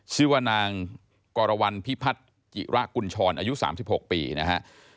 ชิวนางกรวรรวรณพิพัฒิรกุลชอนอายุ๓๖ปีนะฮะ